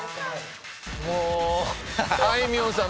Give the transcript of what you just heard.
もうあいみょん